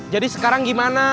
jadi sekarang gimana